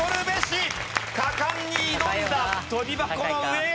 果敢に挑んだ跳び箱の上へ！